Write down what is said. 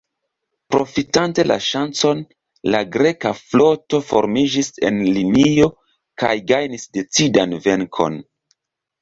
Profitante la ŝancon, la greka floto formiĝis en linio kaj gajnis decidan venkon.